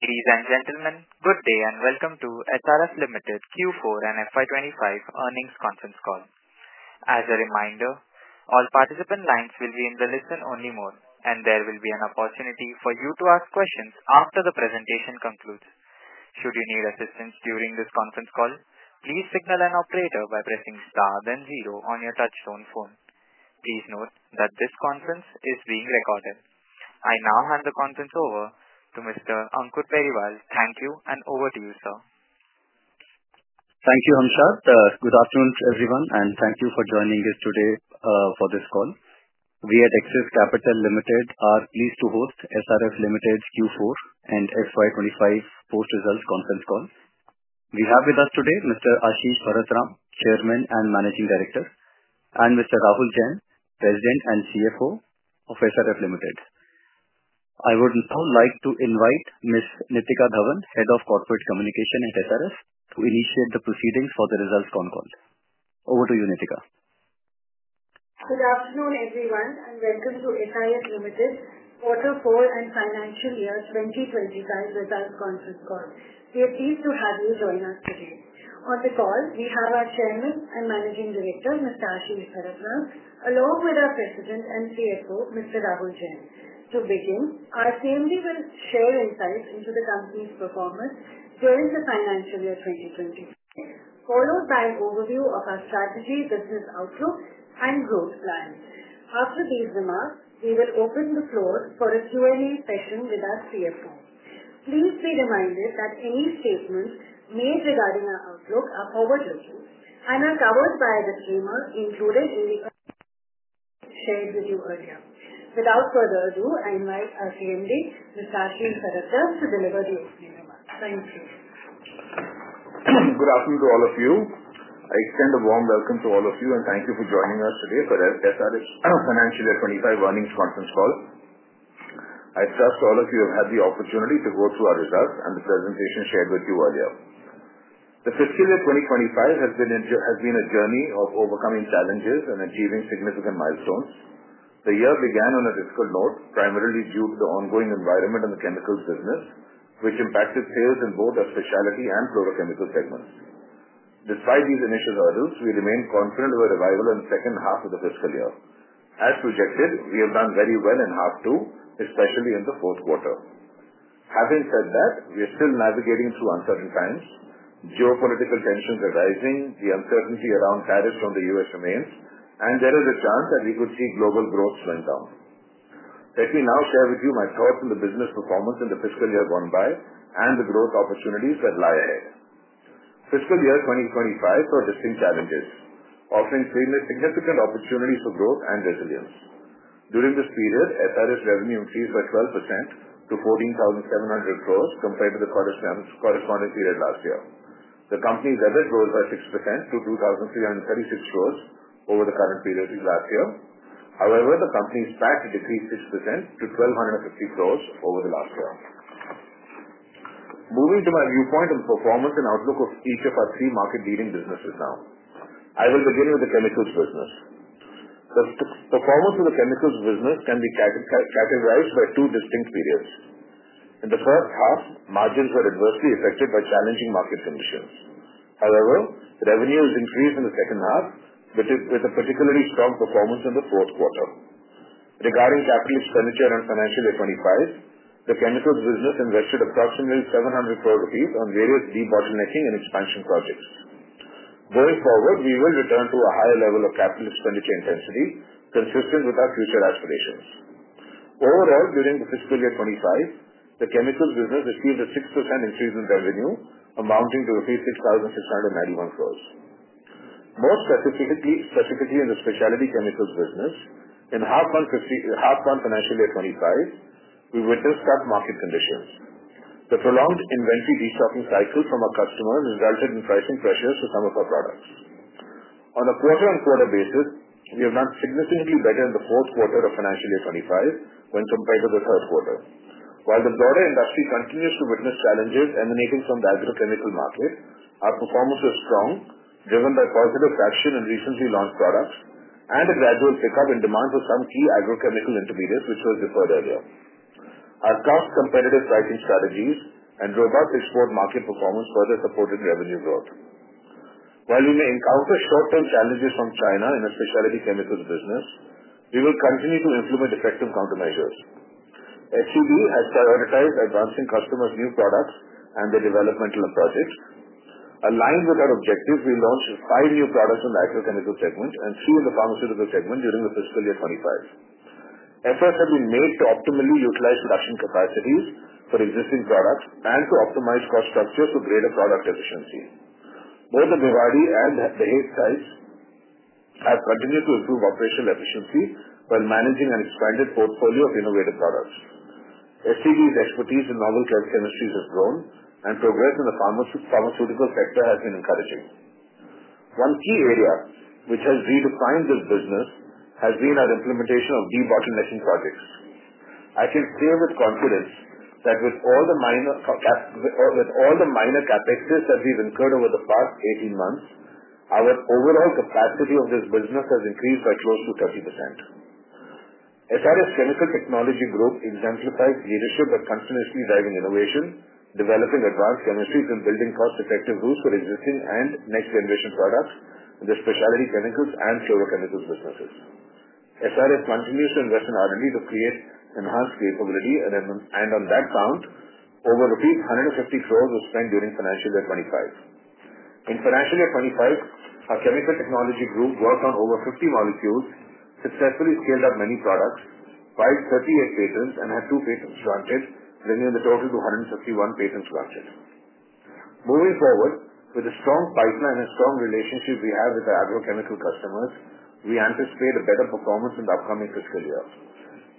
Ladies and gentlemen, good day and welcome to SRF Limited Q4 and FY25 earnings conference call. As a reminder, all participant lines will be in the listen-only mode, and there will be an opportunity for you to ask questions after the presentation concludes. Should you need assistance during this conference call, please signal an operator by pressing star, then zero on your touchstone phone. Please note that this conference is being recorded. I now hand the conference over to Mr. Ankur Periwal. Thank you, and over to you, sir. Thank you, Amshad. Good afternoon, everyone, and thank you for joining us today for this call. We at Axis Capital Limited are pleased to host SRF Limited Q4 and FY25 post-result conference call. We have with us today Mr. Ashish Bharat Ram, Chairman and Managing Director, and Mr. Rahul Jain, President and CFO of SRF Limited. I would now like to invite Ms. Nitika Dhawan, Head of Corporate Communication at SRF, to initiate the proceedings for the results conference. Over to you, Nitika. Good afternoon, everyone, and welcome to SRF Limited Q4 and FY25 results conference call. We are pleased to have you join us today. On the call, we have our Chairman and Managing Director, Mr. Ashish Bharatram, along with our President and CFO, Mr. Rahul Jain. To begin, our CMD will share insights into the company's performance during the financial year 2024, followed by an overview of our strategy, business outlook, and growth plan. After these remarks, we will open the floor for a Q&A session with our CFO. Please be reminded that any statements made regarding our outlook are forward-looking and are covered by the schema included in the shared with you earlier. Without further ado, I invite our CMD, Mr. Ashish Bharatram, to deliver the opening remarks. Thank you. Good afternoon to all of you. I extend a warm welcome to all of you, and thank you for joining us today for SRF's financial year 2025 earnings conference call. I trust all of you have had the opportunity to go through our results and the presentation shared with you earlier. The fiscal year 2025 has been a journey of overcoming challenges and achieving significant milestones. The year began on a difficult note, primarily due to the ongoing environment in the chemicals business, which impacted sales in both our specialty and fluorochemical segments. Despite these initial hurdles, we remain confident of a revival in the second half of the fiscal year. As projected, we have done very well in half two, especially in the fourth quarter. Having said that, we are still navigating through uncertain times. Geopolitical tensions are rising, the uncertainty around tariffs from the U.S. remains, and there is a chance that we could see global growth slowing down. Let me now share with you my thoughts on the business performance in the fiscal year gone by and the growth opportunities that lie ahead. Fiscal year 2025 brought distinct challenges, offering significant opportunities for growth and resilience. During this period, SRF's revenue increased by 12% to 14,700 crore compared to the corresponding period last year. The company's EBIT rose by 6% to 2,336 crore over the current period last year. However, the company's PAT decreased 6% to 1,250 crore over the last year. Moving to my viewpoint on the performance and outlook of each of our three market-leading businesses now, I will begin with the chemicals business. The performance of the chemicals business can be categorized by two distinct periods. In the first half, margins were adversely affected by challenging market conditions. However, revenues increased in the second half, with a particularly strong performance in the fourth quarter. Regarding capital expenditure and financial year 2025, the chemicals business invested approximately 700 crore rupees on various de-bottlenecking and expansion projects. Going forward, we will return to a higher level of capital expenditure intensity, consistent with our future aspirations. Overall, during the fiscal year 2025, the chemicals business received a 6% increase in revenue, amounting to rupees 6,691 crore. More specifically, in the specialty chemicals business, in half-month financial year 2025, we witnessed tough market conditions. The prolonged inventory restocking cycle from our customers resulted in pricing pressures for some of our products. On a quarter-on-quarter basis, we have done significantly better in the fourth quarter of financial year 2025 when compared to the third quarter. While the broader industry continues to witness challenges emanating from the agrochemical market, our performance was strong, driven by positive traction in recently launched products and a gradual pickup in demand for some key agrochemical intermediates, which was deferred earlier. Our tough competitive pricing strategies and robust export market performance further supported revenue growth. While we may encounter short-term challenges from China in our specialty chemicals business, we will continue to implement effective countermeasures. SCB has prioritized advancing customers' new products and their developmental projects. Aligned with our objectives, we launched five new products in the agrochemical segment and three in the pharmaceutical segment during the fiscal year 2025. Efforts have been made to optimally utilize production capacities for existing products and to optimize cost structures for greater product efficiency. Both the Bhiwadi and the Dahej sites have continued to improve operational efficiency while managing an expanded portfolio of innovative products. SCB's expertise in novel chemistries has grown, and progress in the pharmaceutical sector has been encouraging. One key area which has redefined this business has been our implementation of de-bottlenecking projects. I can say with confidence that with all the minor capexes that we've incurred over the past 18 months, our overall capacity of this business has increased by close to 30%. SRF Chemical Technology Group exemplifies leadership by continuously driving innovation, developing advanced chemistries, and building cost-effective routes for existing and next-generation products in the specialty chemicals and fluorochemicals businesses. SRF continues to invest in R&D to create enhanced capability, and on that count, over rupees 150 crores was spent during financial year 2025. In financial year 2025, our Chemical Technology Group worked on over 50 molecules, successfully scaled up many products, filed 38 patents, and had two patents granted, bringing the total to 151 patents granted. Moving forward, with the strong pipeline and strong relationship we have with our agrochemical customers, we anticipate a better performance in the upcoming fiscal year.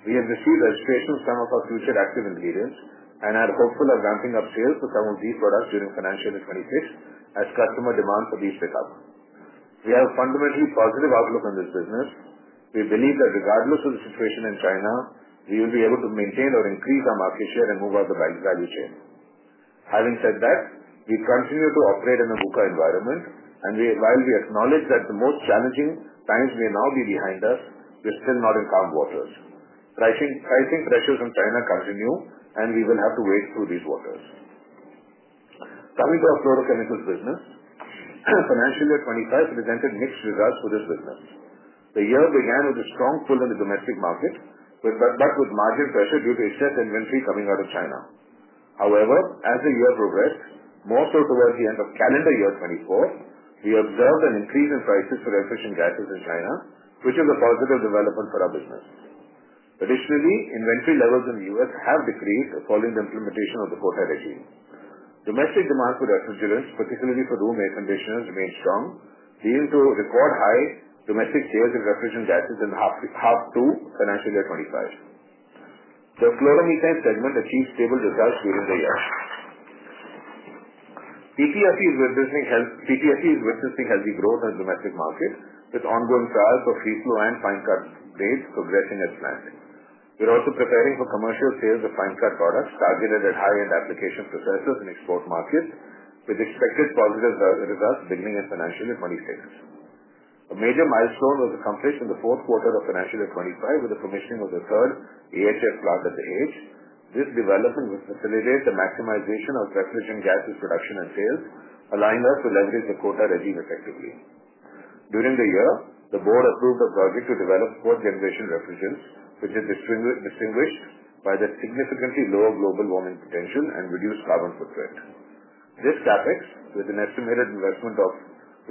We have received registration of some of our future active ingredients and are hopeful of ramping up sales for some of these products during financial year 2026 as customer demand for these pick up. We have a fundamentally positive outlook on this business. We believe that regardless of the situation in China, we will be able to maintain or increase our market share and move up the value chain. Having said that, we continue to operate in a VUCA environment, and while we acknowledge that the most challenging times may now be behind us, we're still not in calm waters. Pricing pressures in China continue, and we will have to wade through these waters. Coming to our fluorochemicals business, financial year 2025 presented mixed results for this business. The year began with a strong pull in the domestic market, but with margin pressure due to excess inventory coming out of China. However, as the year progressed, more so towards the end of calendar year 2024, we observed an increase in prices for efficient gases in China, which is a positive development for our business. Additionally, inventory levels in the U.S. have decreased following the implementation of the quota regime. Domestic demand for refrigerants, particularly for room air conditioners, remained strong, leading to record high domestic sales in refrigerant gases in the half to financial year 2025. The fluoromethane segment achieved stable results during the year. PTFE is witnessing healthy growth in the domestic market, with ongoing trials of refluor and fine-cut blades progressing at plan. We're also preparing for commercial sales of fine-cut products targeted at high-end application processes and export markets, with expected positive results beginning in financial year 2026. A major milestone was accomplished in the fourth quarter of financial year 2025 with the commissioning of the third AHF plant at the HAGE. This development will facilitate the maximization of refrigerant gases production and sales, allowing us to leverage the quota regime effectively. During the year, the board approved a project to develop fourth-generation refrigerants, which are distinguished by their significantly lower global warming potential and reduced carbon footprint. This CapEx, with an estimated investment of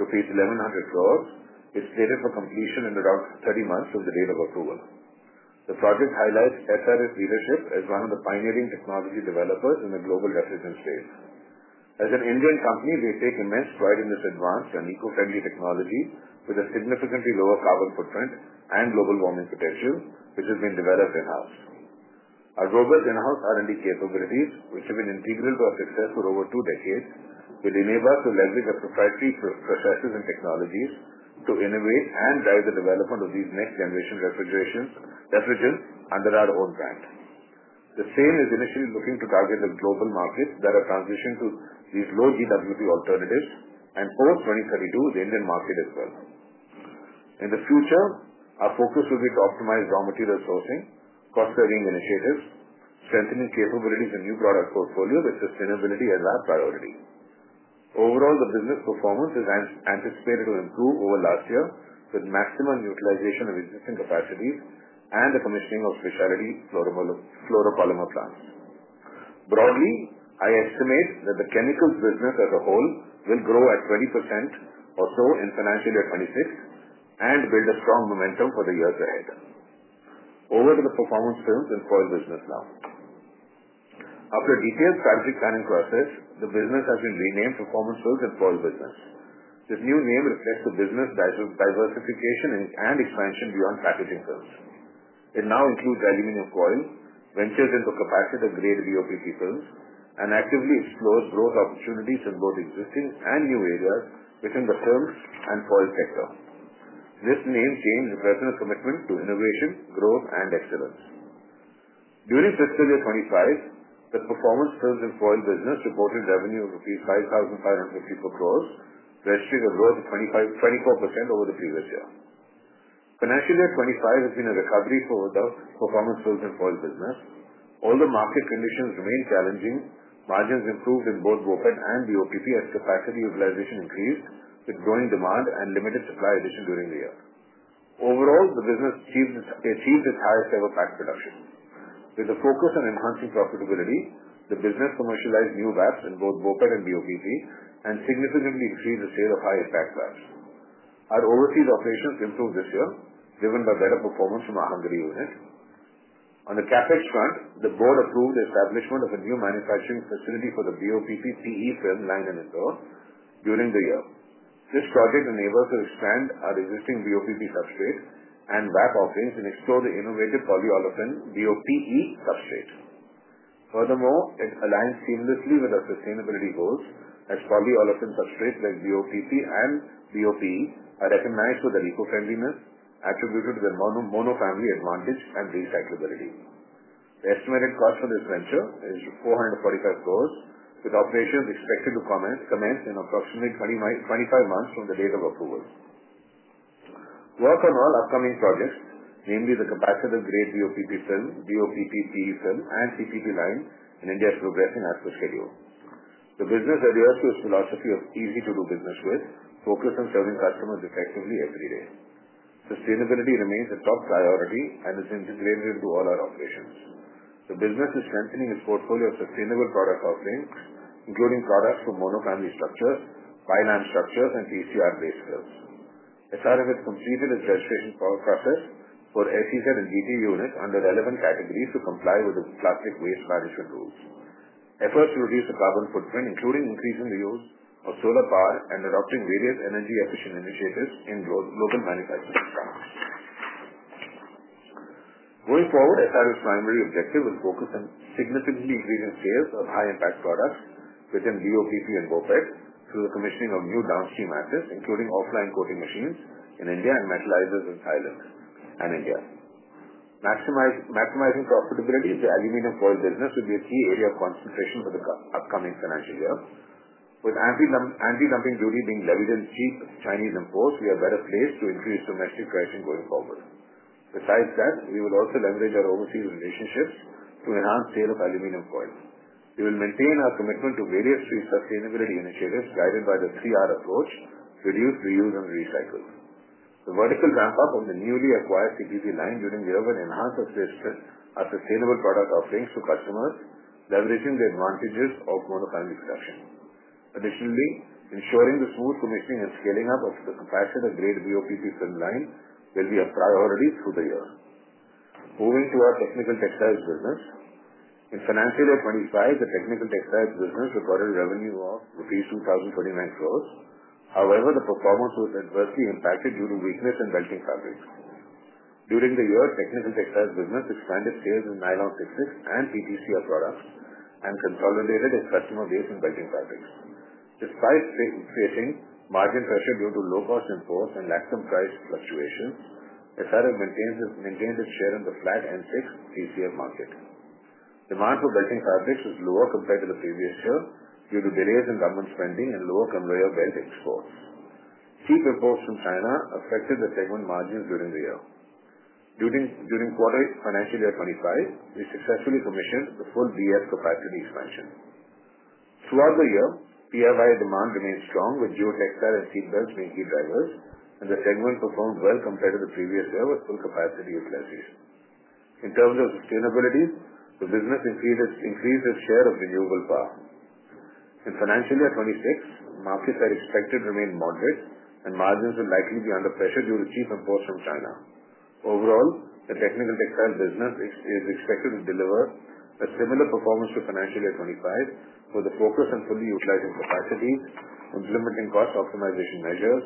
rupees 1,100 crore, is slated for completion in around 30 months from the date of approval. The project highlights SRF leadership as one of the pioneering technology developers in the global refrigerant space. As an Indian company, we take immense pride in this advanced and eco-friendly technology with a significantly lower carbon footprint and global warming potential, which has been developed in-house. Our robust in-house R&D capabilities, which have been integral to our success for over two decades, will enable us to leverage our proprietary processes and technologies to innovate and drive the development of these next-generation refrigeration refrigerants under our own brand. The same is initially looking to target the global markets that are transitioned to these low GWP alternatives and post-2032 the Indian market as well. In the future, our focus will be to optimize raw material sourcing, cost-saving initiatives, strengthening capabilities, and new product portfolio with sustainability as our priority. Overall, the business performance is anticipated to improve over last year with maximum utilization of existing capacities and the commissioning of specialty fluoropolymer plants. Broadly, I estimate that the chemicals business as a whole will grow at 20% or so in financial year 2026 and build a strong momentum for the years ahead. Over to the performance films and coil business now. After a detailed strategic planning process, the business has been renamed Performance Films and Coil Business. This new name reflects the business diversification and expansion beyond packaging films. It now includes aluminum coil, ventures into capacitor-grade BOPP films, and actively explores growth opportunities in both existing and new areas within the films and coil sector. This name gains a resonant commitment to innovation, growth, and excellence. During fiscal year 2025, the performance films and coil business reported revenue of 5,554 crores, registering a growth of 24% over the previous year. Financial year 2025 has been a recovery for the performance films and coil business. Although market conditions remain challenging, margins improved in both BOPET and BOPP as capacity utilization increased with growing demand and limited supply addition during the year. Overall, the business achieved its highest-ever PAC production. With a focus on enhancing profitability, the business commercialized new VAPs in both BOPET and BOPP and significantly increased the sales of high-impact VAPs. Our overseas operations improved this year, driven by better performance from our Hungary unit. On the CapEx front, the board approved the establishment of a new manufacturing facility for the VOPP PE film line in Indore during the year. This project enables us to expand our existing VOPP substrate and VAP offerings and explore the innovative polyolefin VOPE substrate. Furthermore, it aligns seamlessly with our sustainability goals as polyolefin substrates like VOPP and VOPE are recognized for their eco-friendliness attributed to their monofamily advantage and recyclability. The estimated cost for this venture is 445 crores, with operations expected to commence in approximately 25 months from the date of approval. Work on all upcoming projects, namely the capacitor-grade VOPP film and PPP line in India, is progressing as per schedule. The business adheres to its philosophy of easy-to-do business with focus on serving customers effectively every day. Sustainability remains a top priority and is integrated into all our operations. The business is strengthening its portfolio of sustainable product offerings, including products for monofamily structures, byline structures, and PCR-based films. SRF has completed its registration process for SEZ and DT units under relevant categories to comply with the plastic waste management rules. Efforts to reduce the carbon footprint, including increasing the use of solar power and adopting various energy-efficient initiatives in local manufacturing companies. Going forward, SRF's primary objective will focus on significantly increasing sales of high-impact products within VOPP and VOPED through the commissioning of new downstream assets, including offline coating machines in India and metalizers in Thailand and India. Maximizing profitability of the aluminum coil business will be a key area of concentration for the upcoming financial year. With anti-dumping duty being levied on cheap Chinese imports, we are better placed to increase domestic pressure going forward. Besides that, we will also leverage our overseas relationships to enhance sales of aluminum coil. We will maintain our commitment to various sustainability initiatives guided by the 3R approach: reduce, reuse, and recycle. The vertical ramp-up of the newly acquired CTC line during the year will enhance our sustainable product offerings to customers, leveraging the advantages of monofamily production. Additionally, ensuring the smooth commissioning and scaling up of the capacitor-grade VOPP film line will be a priority through the year. Moving to our technical textiles business. In financial year 2025, the technical textiles business recorded revenue of 2,029 crores. However, the performance was adversely impacted due to weakness in belting fabrics. During the year, technical textiles business expanded sales in nylon fixtures and PTCR products and consolidated its customer base in belting fabrics. Despite facing margin pressure due to low-cost imports and laxum price fluctuations, SRF maintained its share in the flat and fixed TCF market. Demand for belting fabrics was lower compared to the previous year due to delays in government spending and lower conveyor belt exports. Cheap imports from China affected the segment margins during the year. During quarterly financial year 2025, we successfully commissioned the full BF capacity expansion. Throughout the year, PFIA demand remained strong, with geotextile and seatbelts being key drivers, and the segment performed well compared to the previous year with full capacity uselesses. In terms of sustainability, the business increased its share of renewable power. In financial year 2026, markets are expected to remain moderate, and margins will likely be under pressure due to cheap imports from China. Overall, the technical textile business is expected to deliver a similar performance to financial year 2025 with a focus on fully utilizing capacities, implementing cost optimization measures,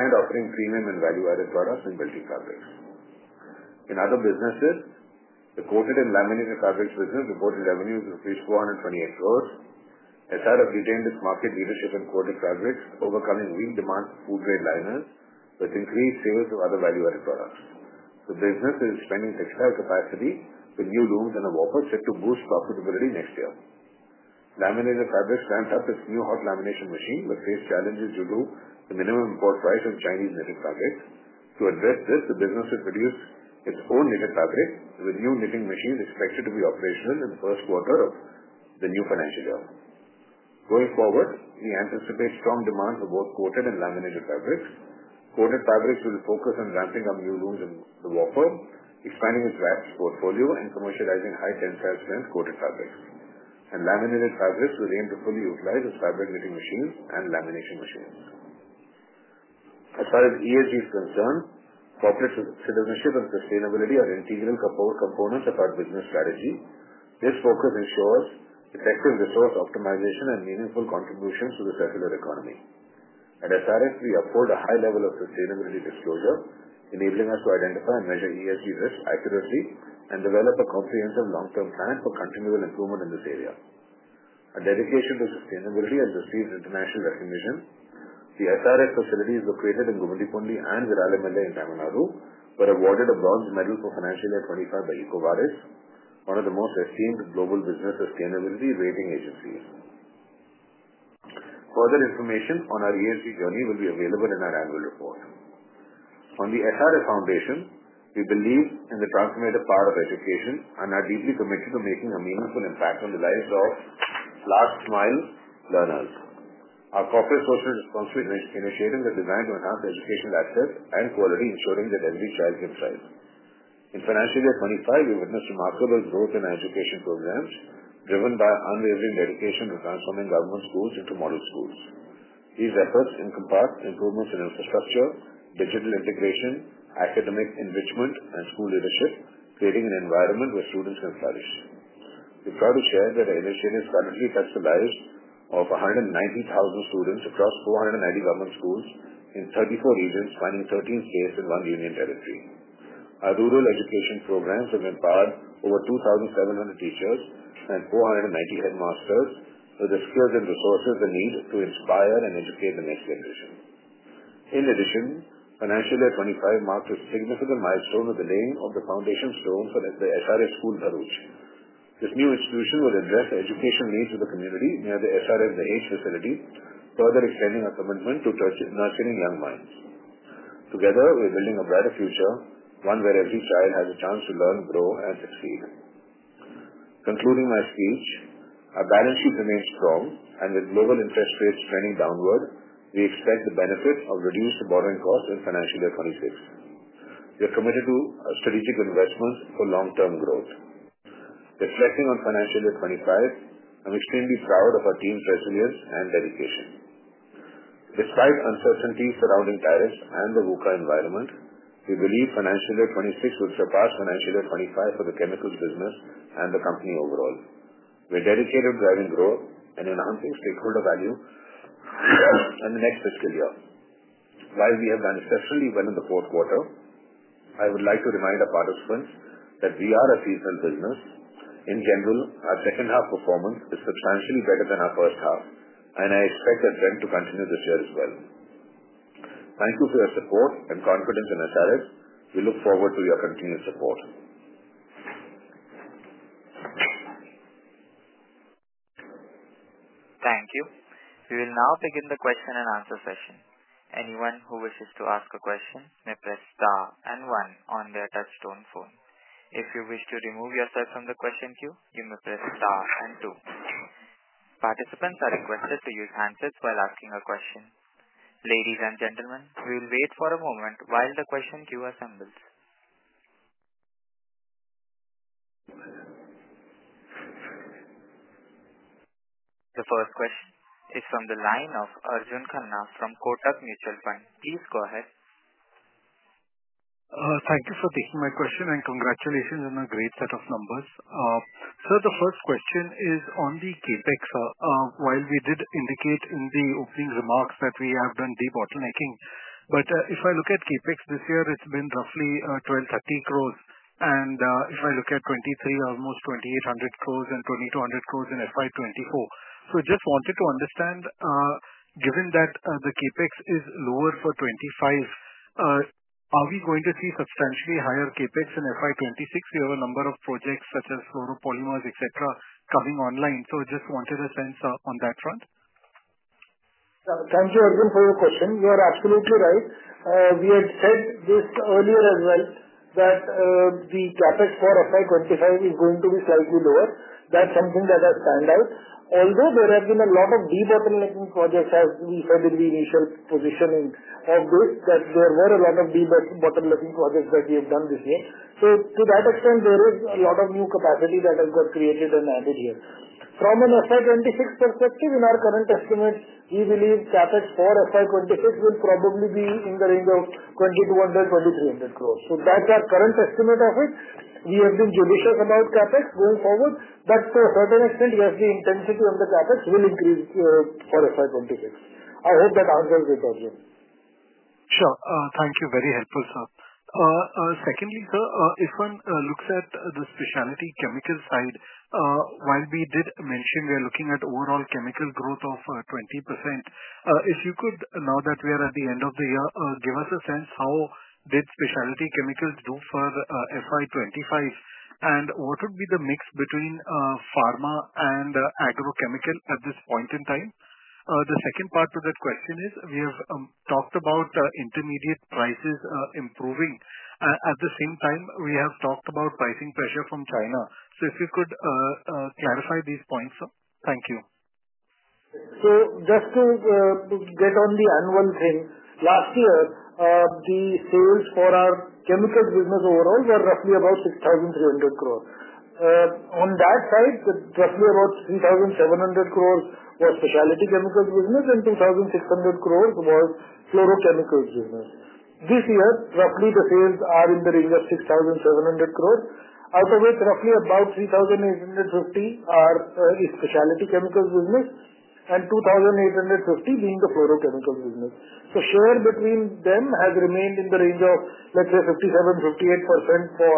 and offering premium and value-added products in belting fabrics. In other businesses, the coated and laminated fabrics business reported revenues of 428 crores. SRF retained its market leadership in coated fabrics, overcoming weak demand for food-grade liners with increased sales of other value-added products. The business is expanding textile capacity with new looms and a warper set to boost profitability next year. Laminated fabrics ramped up its new hot lamination machine but faced challenges due to the minimum import price of Chinese knitted fabrics. To address this, the business has produced its own knitted fabric, with new knitting machines expected to be operational in the first quarter of the new financial year. Going forward, we anticipate strong demand for both coated and laminated fabrics. Coated fabrics will focus on ramping up new looms and the warper, expanding its VAPs portfolio, and commercializing high-tensile strength coated fabrics. Laminated fabrics will aim to fully utilize its fabric knitting machines and lamination machines. As far as ESG is concerned, corporate citizenship and sustainability are integral components of our business strategy. This focus ensures effective resource optimization and meaningful contributions to the circular economy. At SRF, we uphold a high level of sustainability disclosure, enabling us to identify and measure ESG risks accurately and develop a comprehensive long-term plan for continual improvement in this area. Our dedication to sustainability has received international recognition. The SRF facilities located in Gummidipundi and Viralamalai in Tamil Nadu were awarded a bronze medal for financial year 2025 by EcoVadis, one of the most esteemed global business sustainability rating agencies. Further information on our ESG journey will be available in our annual report. On the SRF Foundation, we believe in the transformative power of education and are deeply committed to making a meaningful impact on the lives of last-mile learners. Our corporate social responsibility initiative is designed to enhance educational access and quality, ensuring that every child can thrive. In financial year 2025, we witnessed remarkable growth in our education programs, driven by unwavering dedication to transforming government schools into model schools. These efforts encompass improvements in infrastructure, digital integration, academic enrichment, and school leadership, creating an environment where students can flourish. We're proud to share that our initiative currently touches the lives of 190,000 students across 490 government schools in 34 regions, spanning 13 states and one union territory. Our rural education programs have empowered over 2,700 teachers and 490 headmasters, who have the skills and resources they need to inspire and educate the next generation. In addition, financial year 2025 marked a significant milestone with the laying of the foundation stone for the SRF Schools Haruj. This new institution will address the educational needs of the community near the SRF Dahej facility, further extending our commitment to nurturing young minds. Together, we're building a brighter future, one where every child has a chance to learn, grow, and succeed. Concluding my speech, our balance sheet remains strong, and with global interest rates trending downward, we expect the benefit of reduced borrowing costs in financial year 2026. We are committed to strategic investments for long-term growth. Reflecting on financial year 2025, I'm extremely proud of our team's resilience and dedication. Despite uncertainties surrounding tariffs and the VUCA environment, we believe financial year 2026 will surpass financial year 2025 for the chemicals business and the company overall. We are dedicated to driving growth and enhancing stakeholder value in the next fiscal year. While we have done exceptionally well in the fourth quarter, I would like to remind our participants that we are a seasonal business. In general, our second-half performance is substantially better than our first half, and I expect that trend to continue this year as well. Thank you for your support and confidence in SRF. We look forward to your continued support. Thank you. We will now begin the question and answer session. Anyone who wishes to ask a question may press star and one on their touchstone phone. If you wish to remove yourself from the question queue, you may press star and two. Participants are requested to use handsets while asking a question. Ladies and gentlemen, we will wait for a moment while the question queue assembles. The first question is from the line of Arjun Khanna from Kotak Mutual Fund. Please go ahead. Thank you for taking my question, and congratulations on a great set of numbers. Sir, the first question is on the CapEx. While we did indicate in the opening remarks that we have done de-bottlenecking, but if I look at CapEx this year, it's been roughly 1,230 crores. And if I look at 2023, almost 2,800 crores and 2,200 crores in FY2024. Just wanted to understand, given that the CapEx is lower for 2025, are we going to see substantially higher CapEx in FY2026? We have a number of projects such as fluoropolymers, etc., coming online. Just wanted a sense on that front. Thank you, Arjun, for your question. You are absolutely right. We had said this earlier as well, that the CapEx for FY2025 is going to be slightly lower. That is something that has stood out. Although there have been a lot of de-bottlenecking projects, as we said in the initial positioning of this, that there were a lot of de-bottlenecking projects that we have done this year. To that extent, there is a lot of new capacity that has got created and added here. From an FY2026 perspective, in our current estimate, we believe CapEx for FY2026 will probably be in the range of 2,200 crore-2,300 crore. That is our current estimate of it. We have been judicious about CapEx going forward, but to a certain extent, yes, the intensity of the CapEx will increase for FY2026. I hope that answers it, Arjun. Sure. Thank you. Very helpful, sir. Secondly, sir, if one looks at the specialty chemical side, while we did mention we are looking at overall chemical growth of 20%, if you could, now that we are at the end of the year, give us a sense how did specialty chemicals do for FY25, and what would be the mix between pharma and agrochemical at this point in time? The second part of that question is we have talked about intermediate prices improving. At the same time, we have talked about pricing pressure from China. If you could clarify these points, sir. Thank you. Just to get on the annual thing, last year, the sales for our chemicals business overall were roughly about 6,300 crores. On that side, roughly about 3,700 crores was specialty chemicals business, and 2,600 crores was fluorochemicals business. This year, roughly the sales are in the range of 6,700 crores, out of which roughly about 3,850 crores are specialty chemicals business, and 2,850 crores being the fluorochemicals business. Share between them has remained in the range of, let's say, 57%-58% for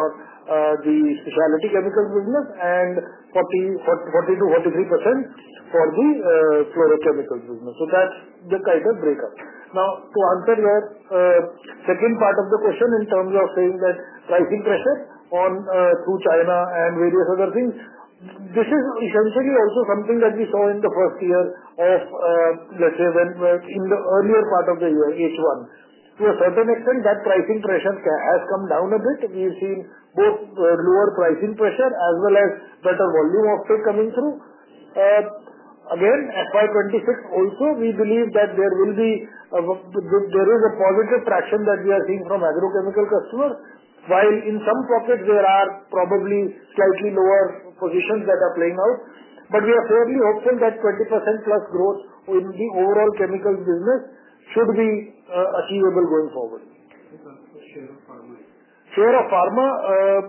the specialty chemicals business and 40%-43% for the fluorochemicals business. That is the kind of breakup. Now, to answer your second part of the question in terms of saying that pricing pressure through China and various other things, this is essentially also something that we saw in the first year of, let's say, in the earlier part of the year, H1. To a certain extent, that pricing pressure has come down a bit. We have seen both lower pricing pressure as well as better volume of tech coming through. Again, FY26 also, we believe that there will be a positive traction that we are seeing from agrochemical customers, while in some pockets, there are probably slightly lower positions that are playing out. We are fairly hopeful that 20%+ growth in the overall chemicals business should be achievable going forward. Share of pharma? Share of pharma,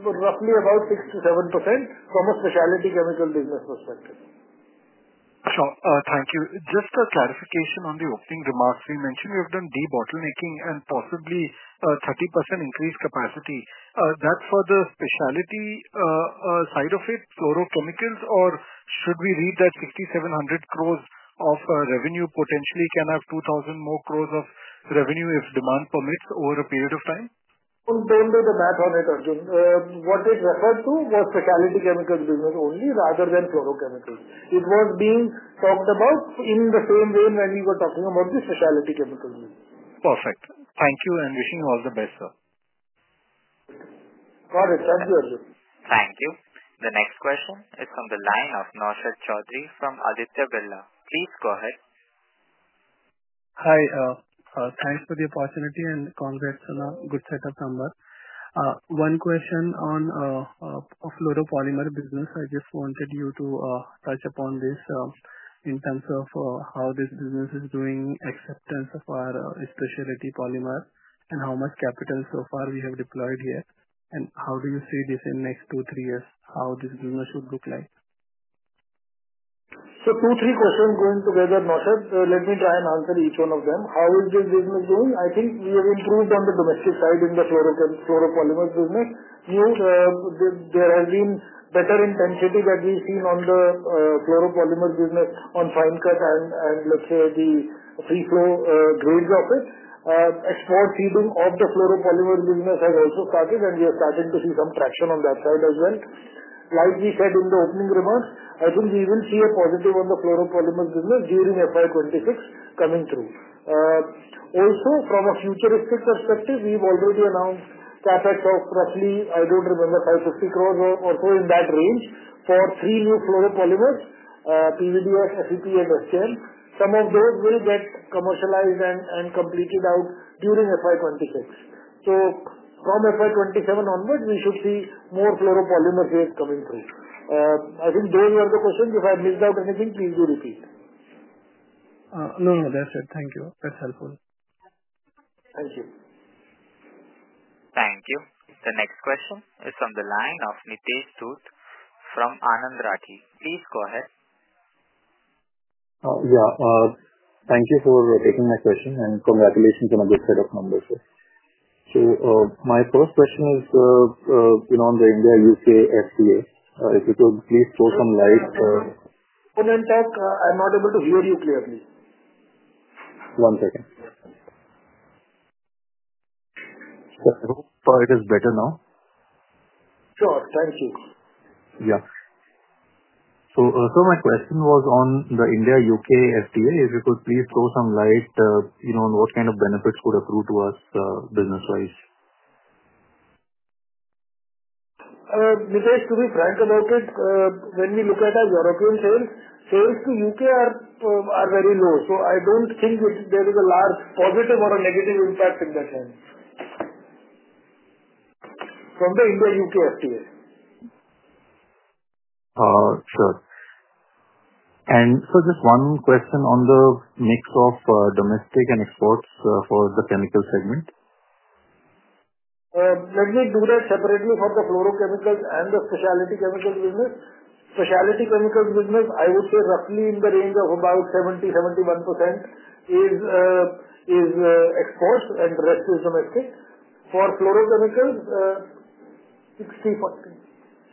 roughly about 6%-7% from a specialty chemical business perspective. Sure. Thank you. Just a clarification on the opening remarks. We mentioned we have done de-bottlenecking and possibly a 30% increased capacity. That is for the specialty side of it, fluorochemicals, or should we read that 6,700 crores of revenue potentially can have 2,000 more crores of revenue if demand permits over a period of time? Do not do the math on it, Arjun. What it referred to was specialty chemicals business only rather than fluorochemicals. It was being talked about in the same vein when we were talking about the specialty chemicals business. Perfect. Thank you and wishing you all the best, sir. Got it. Thank you, Arjun. Thank you. The next question is from the line of Naushad Chaudhary from Aditya Birla. Please go ahead. Hi. Thanks for the opportunity and congrats on a good set of numbers. One question on fluoropolymers business. I just wanted you to touch upon this in terms of how this business is doing, acceptance of our specialty polymer, and how much capital so far we have deployed here, and how do you see this in the next two, three years, how this business should look like. Two, three questions going together, Naushad. Let me try and answer each one of them. How is this business doing? I think we have improved on the domestic side in the fluoropolymers business. There has been better intensity that we've seen on the fluoropolymers business on fine cut and, let's say, the free flow grades of it. Export seeding of the fluoropolymers business has also started, and we are starting to see some traction on that side as well. Like we said in the opening remarks, I think we will see a positive on the fluoropolymers business during FY2026 coming through. Also, from a futuristic perspective, we've already announced CapEx of roughly, I don't remember, 550 crore or so in that range for three new fluoropolymers, PVDF, FEP, and SCM. Some of those will get commercialized and completed out during FY2026. From FY2027 onward, we should see more fluoropolymers here coming through. I think those were the questions. If I missed out anything, please do repeat. No, no. That's it. Thank you. That's helpful. Thank you. Thank you. The next question is from the line of Nitesh Dhoot from Anand Rathi. Please go ahead. Yeah. Thank you for taking my question, and congratulations on a good set of numbers, sir. My first question is on the India-U.K. FTA. If you could please throw some light. One moment. One moment. I'm not able to hear you clearly. One second. Sir, I hope it is better now. Sure. Thank you. Yeah. My question was on the India-U.K. FTA. If you could please throw some light on what kind of benefits could accrue to us business-wise. Nitish, to be frank about it, when we look at our European sales, sales to U.K. are very low. I don't think there is a large positive or a negative impact in that sense from the India-U.K. FTA. Sure. Just one question on the mix of domestic and exports for the chemical segment. Let me do that separately for the fluorochemicals and the specialty chemicals business. Specialty chemicals business, I would say roughly in the range of about 70%-71% is exports, and the rest is domestic. For fluorochemicals, 60%,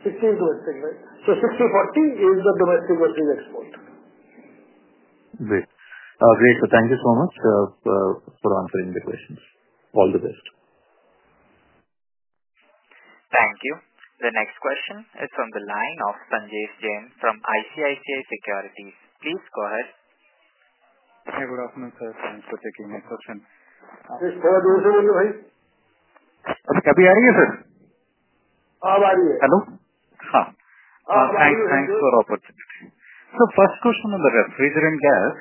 60% is domestic, right? So 60%-40% is the domestic versus export. Great. Great. Thank you so much for answering the questions. All the best. Thank you. The next question is from the line of Sanjesh Jain from ICICI Securities. Please go ahead. Yeah. Good afternoon, sir. Thanks for taking my question. Sir, can you say your name, please? अभी आ रही है, sir? अब आ रही है. Hello. Huh. Thanks. Thanks for the opportunity. First question on the refrigerant gas.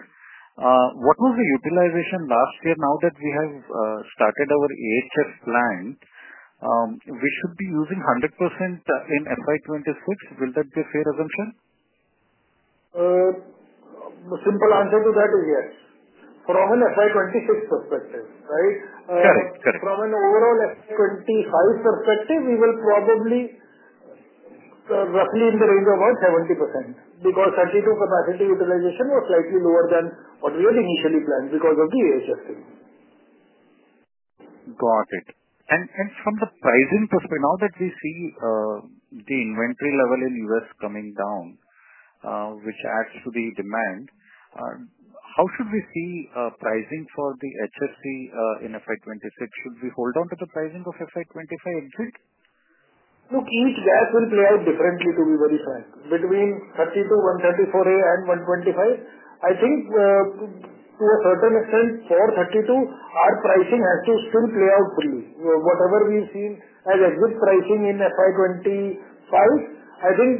What was the utilization last year now that we have started our HF plan? We should be using 100% in FY26. Will that be a fair assumption? The simple answer to that is yes. From an FY26 perspective, right? Correct. Correct. From an overall FY25 perspective, we will probably roughly in the range of about 70% because 32 capacity utilization was slightly lower than what we had initially planned because of the HFC. Got it. From the pricing perspective, now that we see the inventory level in the U.S. coming down, which adds to the demand, how should we see pricing for the HFC in FY26? Should we hold on to the pricing of FY25 exit? Look, each gas will play out differently, to be very frank. Between 32, 134A, and 125, I think to a certain extent, for 32, our pricing has to still play out freely. Whatever we've seen as exit pricing in FY25, I think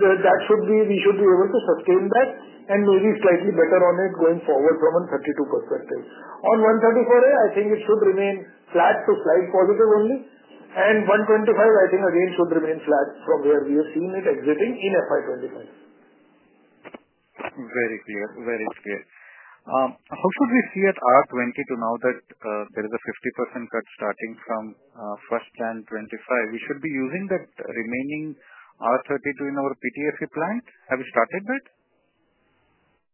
that should be, we should be able to sustain that and maybe slightly better on it going forward from a 32 perspective. On 134A, I think it should remain flat to slight positive only. And 125, I think again should remain flat from where we have seen it exiting in FY25. Very clear. Very clear. How should we see at R22 now that there is a 50% cut starting from first plan 2025? We should be using that remaining R32 in our PTFE plant. Have we started that?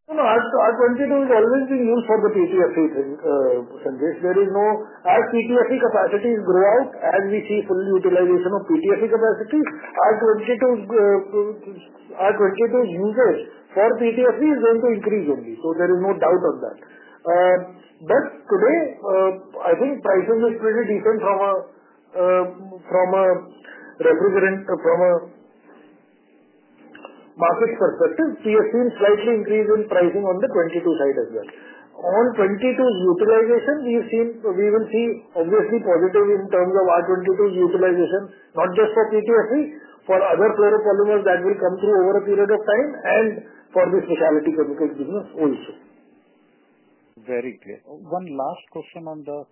No, no. R22 is always being used for the PTFE thing, Sanjesh. There is no, as PTFE capacities grow out, as we see full utilization of PTFE capacities, R22's usage for PTFE is going to increase only. So there is no doubt on that. Today, I think pricing is pretty decent from a refrigerant market perspective. We have seen a slight increase in pricing on the 22 side as well. On 22's utilization, we will see obviously positive in terms of R22's utilization, not just for PTFE, for other fluoropolymers that will come through over a period of time, and for the specialty chemicals business also. Very clear. One last question on the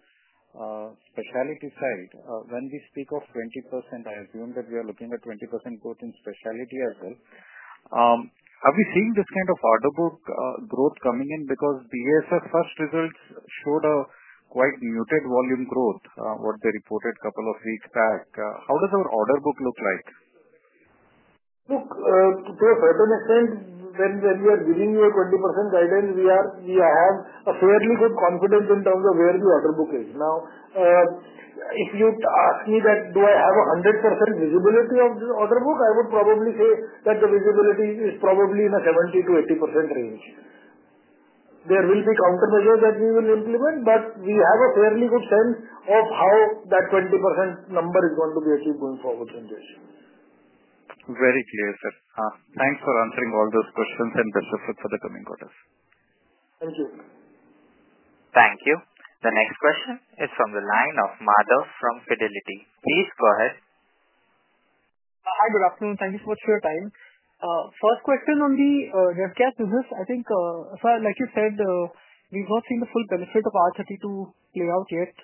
specialty side. When we speak of 20%, I assume that we are looking at 20% growth in specialty as well. Are we seeing this kind of order book growth coming in? Because the ASF first results showed a quite muted volume growth, what they reported a couple of weeks back. How does our order book look like? Look, to a certain extent, when we are giving you a 20% guidance, we have a fairly good confidence in terms of where the order book is. Now, if you ask me that, do I have 100% visibility of the order book, I would probably say that the visibility is probably in a 70%-80% range. There will be countermeasures that we will implement, but we have a fairly good sense of how that 20% number is going to be achieved going forward, Sanjesh. Very clear, sir. Thanks for answering all those questions and best of luck for the coming quarters. Thank you. Thank you. The next question is from the line of Madhav from Fidelity. Please go ahead. Hi. Good afternoon. Thank you so much for your time. First question on the REFCAS business, I think, sir, like you said, we've not seen the full benefit of R32 play out yet.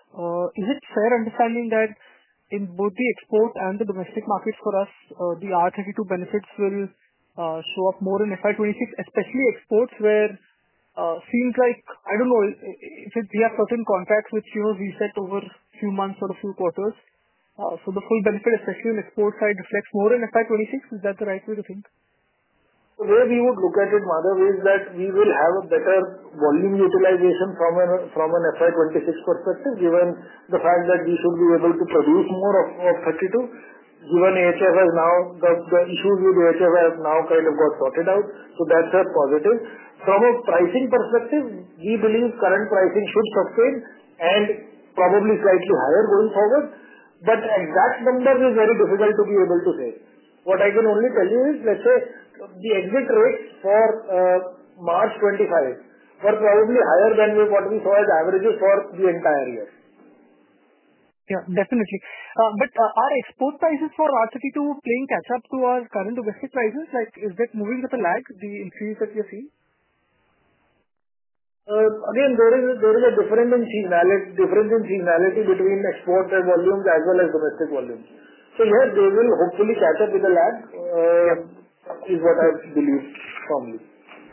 Is it fair understanding that in both the export and the domestic markets for us, the R32 benefits will show up more in FY 2026, especially exports where it seems like, I don't know, if we have certain contracts which we've set over a few months or a few quarters, so the full benefit, especially on the export side, reflects more in FY 2026? Is that the right way to think? The way we would look at it, Madhav, is that we will have a better volume utilization from an FY 2026 perspective, given the fact that we should be able to produce more of 32, given HF has now the issues with HF have now kind of got sorted out. So that's a positive. From a pricing perspective, we believe current pricing should sustain and probably slightly higher going forward. Exact numbers is very difficult to be able to say. What I can only tell you is, let's say, the exit rates for March 2025 were probably higher than what we saw as averages for the entire year. Yeah. Definitely. Are export prices for R32 playing catch-up to our current domestic prices? Is that moving with the lag, the increase that we have seen? Again, there is a different seasonality between export volumes as well as domestic volumes. Yes, they will hopefully catch up with the lag, is what I believe firmly.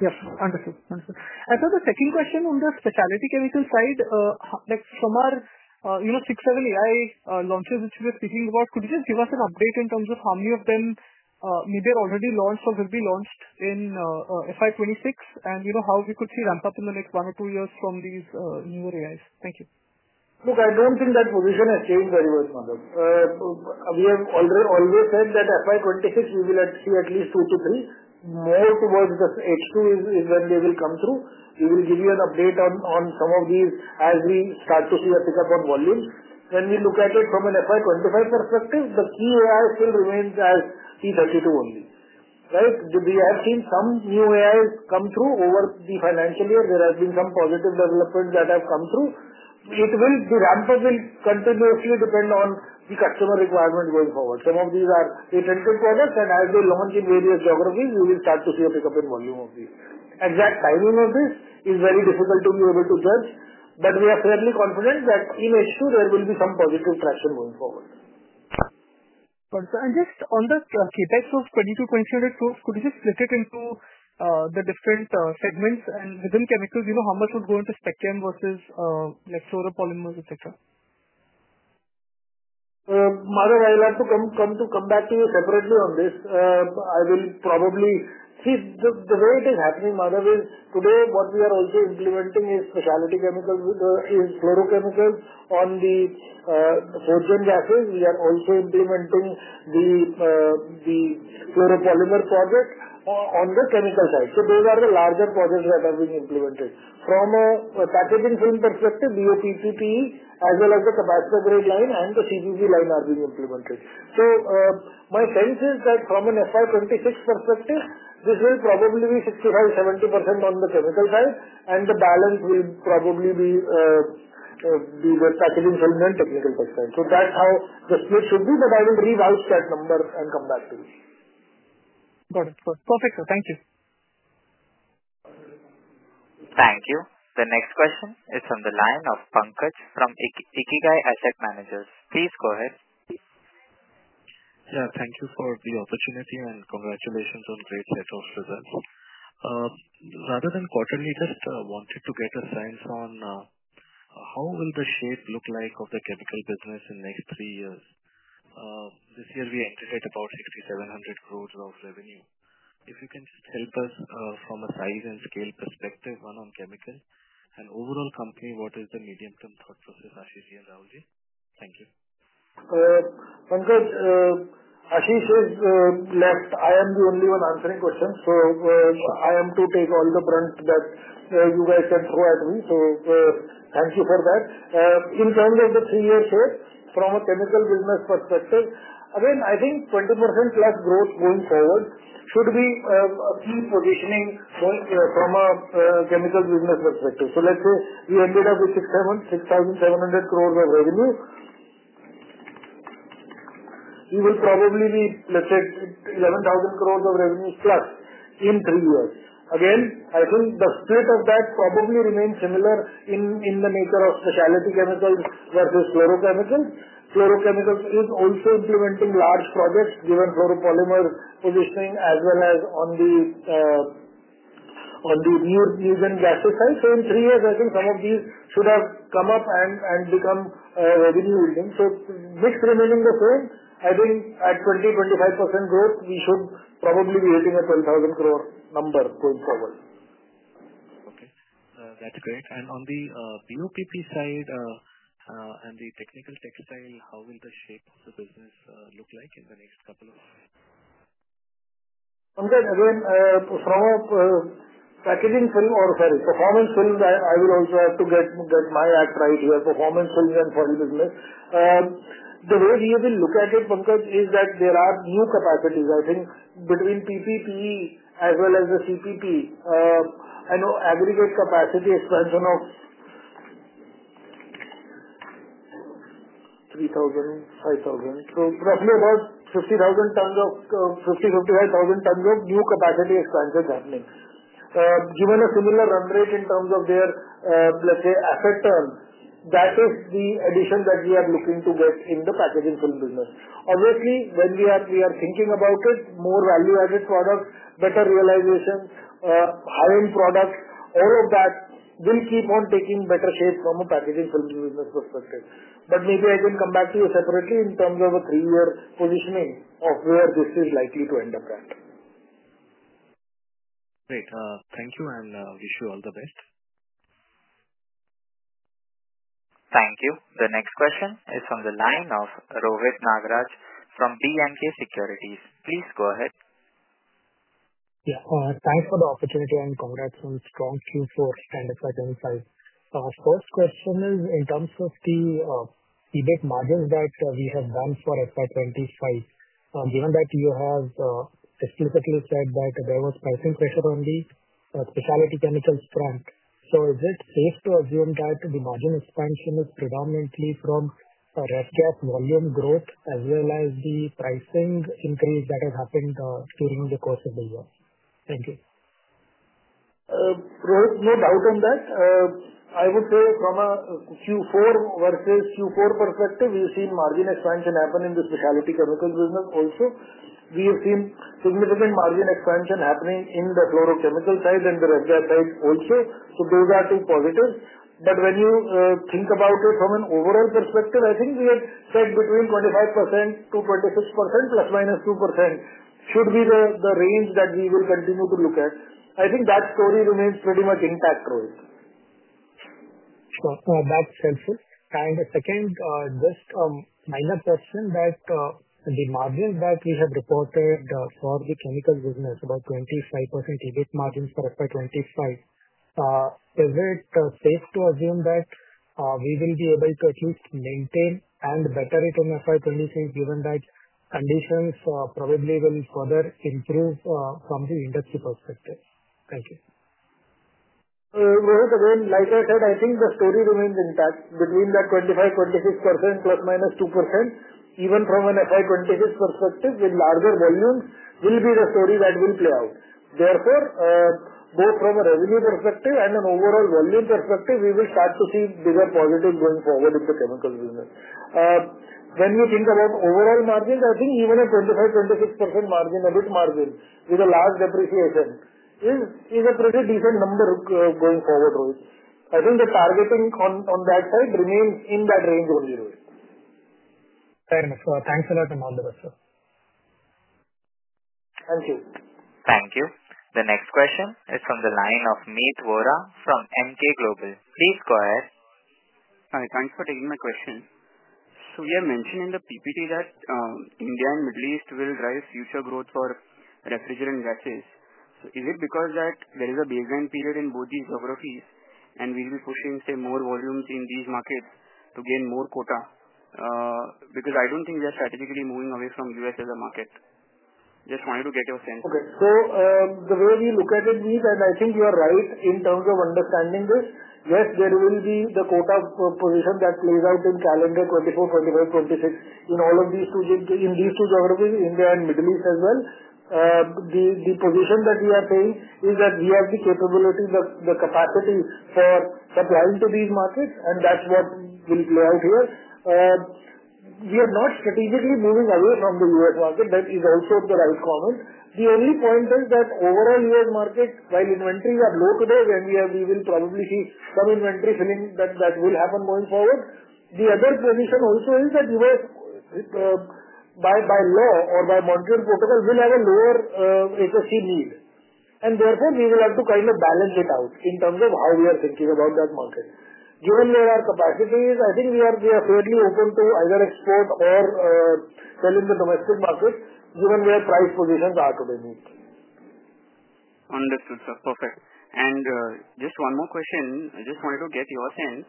Yes. Understood. Understood. The second question on the specialty chemical side, from our 670i launches which we were speaking about, could you just give us an update in terms of how many of them maybe are already launched or will be launched in FY 2026, and how we could see ramp-up in the next one or two years from these newer AIs? Thank you. Look, I do not think that position has changed very much, Madhav. We have always said that FY 2026, we will see at least two to three more towards the H2 is when they will come through. We will give you an update on some of these as we start to see a pickup on volumes. When we look at it from an FY 2025 perspective, the key AI still remains as T32 only, right? We have seen some new AIs come through over the financial year. There have been some positive developments that have come through. The ramp-up will continuously depend on the customer requirement going forward. Some of these are patented products, and as they launch in various geographies, we will start to see a pickup in volume of these. Exact timing of this is very difficult to be able to judge, but we are fairly confident that in H2, there will be some positive traction going forward. Just on the key packs of 22.02, could you just split it into the different segments and within chemicals, how much would go into spectrum versus fluoropolymers, etc.? Madhav, I'll have to come back to you separately on this. I will probably see the way it is happening, Madhav, is today what we are also implementing is specialty chemicals, is fluorochemicals on the 4GN gases. We are also implementing the fluoropolymers project on the chemical side. Those are the larger projects that are being implemented. From a packaging film perspective, DOPPPE as well as the capacitor grade line and the CPP line are being implemented. My sense is that from an FY 2026 perspective, this will probably be 65%-70% on the chemical side, and the balance will probably be the packaging film and technical pack side. That is how the split should be, but I will read out that number and come back to you. Got it. Got it. Perfect, sir. Thank you. Thank you. The next question is from the line of Pankaj from IKIGAI Asset Manager. Please go ahead. Yeah. Thank you for the opportunity and congratulations on great set of results. Rather than quarterly, just wanted to get a sense on how will the shape look like of the chemical business in the next three years? This year, we entered at about 6,700 crores of revenue. If you can just help us from a size and scale perspective, one on chemical and overall company, what is the medium-term thought process, Ashish and Rahul Jain? Thank you. Pankaj, Ashish has left. I am the only one answering questions, so I am to take all the brunt that you guys can throw at me. Thank you for that. In terms of the three-year shape, from a chemical business perspective, again, I think 20% plus growth going forward should be a key positioning from a chemical business perspective. Let's say we ended up with 6,700 crores of revenue. We will probably be, let's say, 11,000 crores of revenues plus in three years. Again, I think the split of that probably remains similar in the nature of specialty chemicals versus fluorochemicals. Fluorochemicals is also implementing large projects given fluoropolymers positioning as well as on the new GN gas side. In three years, I think some of these should have come up and become revenue-building. Mix remaining the same, I think at 20%-25% growth, we should probably be hitting an 12,000 crore number going forward. Okay. That's great. On the DOPPP side and the technical textile, how will the shape of the business look like in the next couple of years? Pankaj, again, from a packaging film or, sorry, performance film, I will also have to get my act right here, performance film and file business. The way we will look at it, Pankaj, is that there are new capacities, I think, between PPP as well as the CPP. I know aggregate capacity expansion of 3,000, 5,000, so roughly about 50,000 tons or 50,000-55,000 tons of new capacity expansions happening. Given a similar run rate in terms of their, let's say, asset turn, that is the addition that we are looking to get in the packaging film business. Obviously, when we are thinking about it, more value-added products, better realization, high-end products, all of that will keep on taking better shape from a packaging film business perspective. Maybe I can come back to you separately in terms of a three-year positioning of where this is likely to end up at. Great. Thank you and wish you all the best. Thank you. The next question is from the line of Rohit Nagraj from B & K Securities. Please go ahead. Yeah. Thanks for the opportunity and congrats on strong Q4 and FY2025. First question is in terms of the EBIT margins that we have done for FY25, given that you have explicitly said that there was pricing pressure on the specialty chemicals front, is it safe to assume that the margin expansion is predominantly from REFCAS volume growth as well as the pricing increase that has happened during the course of the year? Thank you. Rohit, no doubt on that. I would say from a Q4 versus Q4 perspective, we have seen margin expansion happen in the specialty chemicals business also. We have seen significant margin expansion happening in the fluorochemical side and the REFCAS side also. Those are two positives. When you think about it from an overall perspective, I think we had said between 25%-26%, plus minus 2% should be the range that we will continue to look at. I think that story remains pretty much intact, Rohit. Sure. That's helpful. Second, just a minor question, that the margins that we have reported for the chemical business, about 25% EBIT margins for FY2025, is it safe to assume that we will be able to at least maintain and better it in FY2026 given that conditions probably will further improve from the industry perspective? Thank you. Rohit, again, like I said, I think the story remains intact between that 25%-26%, plus minus 2%, even from an FY2026 perspective with larger volumes will be the story that will play out. Therefore, both from a revenue perspective and an overall volume perspective, we will start to see bigger positives going forward in the chemical business. When we think about overall margins, I think even a 25%-26% margin, EBIT margin with a large depreciation is a pretty decent number going forward, Rohit. I think the targeting on that side remains in that range only, Rohit. Very much. Thanks a lot, and all the best, sir. Thank you. Thank you. The next question is from the line of Meet Vora from Emkay Global. Please go ahead. Hi. Thanks for taking my question. We are mentioning in the PPT that India and Middle East will drive future growth for refrigerant gases. Is it because there is a baseline period in both these geographies and we will be pushing, say, more volumes in these markets to gain more quota? I do not think we are strategically moving away from the U.S. as a market. Just wanted to get your sense. Okay. The way we look at it, Meet, and I think you are right in terms of understanding this. Yes, there will be the quota position that plays out in calendar 2024, 2025, 2026 in all of these two geographies, India and Middle East as well. The position that we are saying is that we have the capability, the capacity for supplying to these markets, and that is what will play out here. We are not strategically moving away from the U.S. market. That is also the right comment. The only point is that overall U.S. market, while inventories are low today, we will probably see some inventory filling that will happen going forward. The other position also is that U.S., by law or by monetary protocol, will have a lower HFC need. Therefore, we will have to kind of balance it out in terms of how we are thinking about that market. Given where our capacity is, I think we are fairly open to either export or sell in the domestic market, given where price positions are today, Meet. Understood, sir. Perfect. Just one more question. I just wanted to get your sense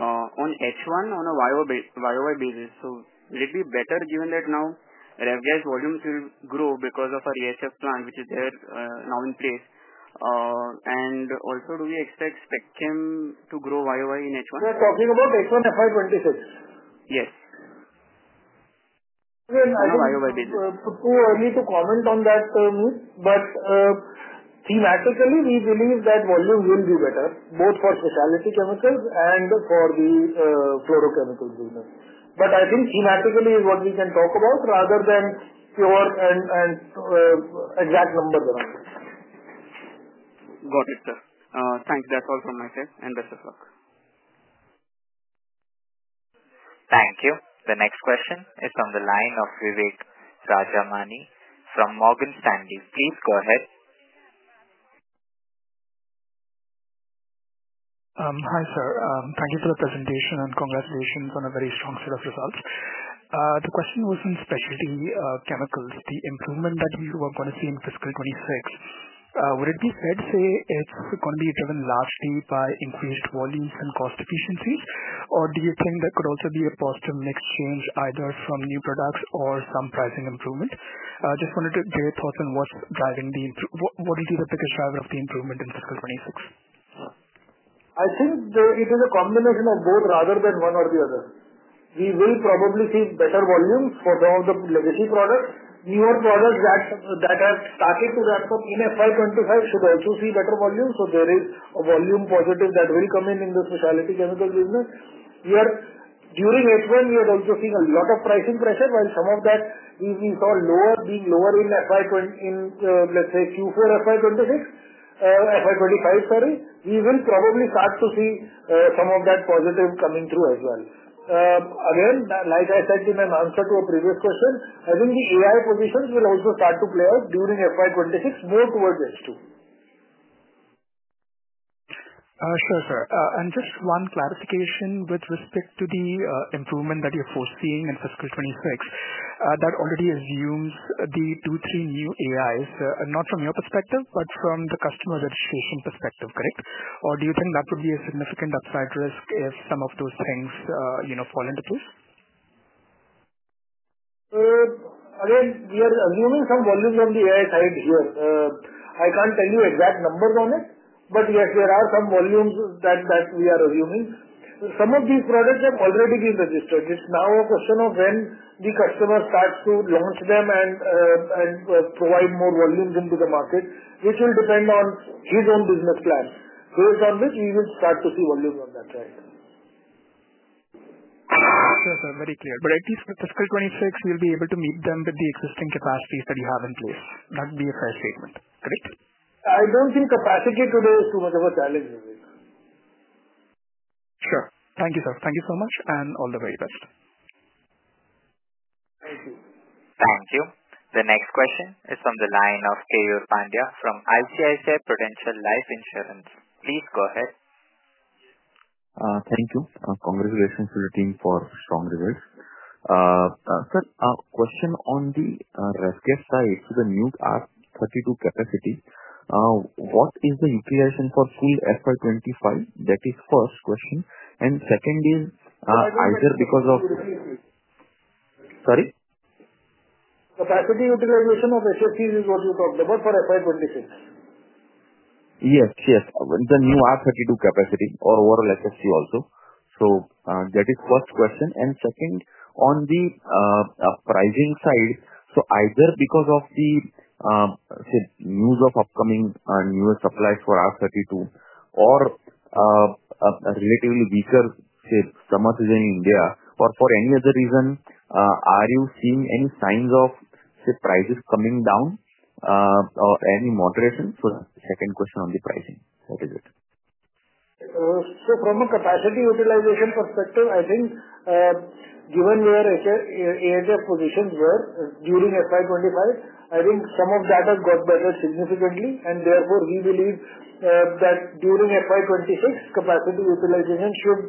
on H1 on a year-over-year basis. Will it be better given that now REFGAS volumes will grow because of our EHF plant, which is there now in place? Also, do we expect Specchem to grow year-over-year in H1? We are talking about H1 FY2026. Yes, on a year-over-year basis. Too early to comment on that, Meet, but thematically, we believe that volume will be better, both for specialty chemicals and for the fluorochemicals business. But I think thematically is what we can talk about rather than pure and exact numbers around it. Got it, sir. Thanks. That's all from my side. And best of luck. Thank you. The next question is from the line of Vivek Rajamani from Morgan Stanley. Please go ahead. Hi, sir. Thank you for the presentation and congratulations on a very strong set of results. The question was on specialty chemicals. The improvement that you are going to see in fiscal 2026, would it be said, say, it's going to be driven largely by increased volumes and cost efficiencies, or do you think that could also be a positive mix change, either from new products or some pricing improvement? Just wanted to get your thoughts on what's driving the what will be the biggest driver of the improvement in fiscal 2026? I think it is a combination of both rather than one or the other. We will probably see better volumes for some of the legacy products. Newer products that have started to ramp up in FY 2025 should also see better volumes. So there is a volume positive that will come in in the specialty chemical business. Here, during H1, we are also seeing a lot of pricing pressure, while some of that we saw being lower in, let's say, Q4 FY 2026, FY 2025, sorry. We will probably start to see some of that positive coming through as well. Again, like I said in an answer to a previous question, I think the AI positions will also start to play out during FY 2026, more towards H2. Sure, sir. Just one clarification with respect to the improvement that you're foreseeing in fiscal 2026, that already assumes the two, three new AIs, not from your perspective, but from the customer registration perspective, correct? Or do you think that would be a significant upside risk if some of those things fall into place? Again, we are assuming some volumes on the AI side here. I can't tell you exact numbers on it, but yes, there are some volumes that we are assuming. Some of these products have already been registered. It's now a question of when the customer starts to launch them and provide more volumes into the market, which will depend on his own business plan. Based on this, we will start to see volumes on that side. Sure, sir. Very clear. At least for fiscal 2026, you'll be able to meet them with the existing capacities that you have in place. That would be a fair statement, correct? I don't think capacity today is too much of a challenge, Vivek. Sure. Thank you, sir. Thank you so much and all the very best. Thank you. Thank you. The next question is from the line of Keyur Pandya from ICICI Prudential Life Insurance. Please go ahead. Thank you. Congratulations to the team for strong results. Sir, question on the REFCAS side, so the new R32 capacity, what is the utilization for full FY2025? That is first question. And second is either because of sorry? Capacity utilization of HSCs is what you talked about for FY2026. Yes, yes. The new R32 capacity or overall HSC also. So that is first question. Second, on the pricing side, either because of the, say, news of upcoming newer supplies for R32 or a relatively weaker, say, summer season in India, or for any other reason, are you seeing any signs of, say, prices coming down or any moderation? That is the second question on the pricing. That is it. From a capacity utilization perspective, I think given where AHF positions were during FY25, I think some of that has got better significantly. Therefore, we believe that during FY26, capacity utilization should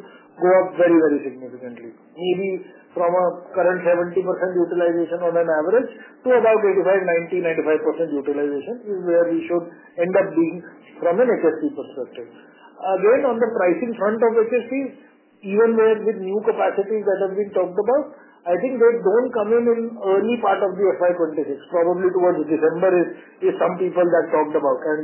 go up very, very significantly, maybe from a current 70% utilization on average to about 85-90-95% utilization is where we should end up being from an HSC perspective. Again, on the pricing front of HSCs, even with new capacities that have been talked about, I think they do not come in in early part of the FY26, probably towards December is some people that talked about. And